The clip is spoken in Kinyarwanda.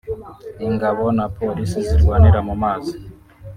Ingabo na Polisi zirwanira mu mazi